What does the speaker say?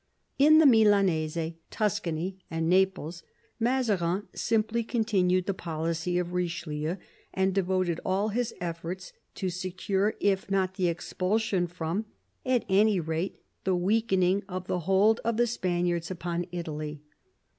In the Milanese, Tuscany, and Naples, Mazarin simply continued the policy of Richelieu, and devoted all his efforts to secure, if not the expulsion from, at any rate the weakening of the hold of the Spaniards upon Italy.